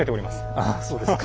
ああそうですか。